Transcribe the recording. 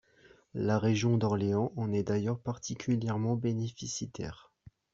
La région d’Orléans en est d’ailleurs particulièrement bénéficiaire.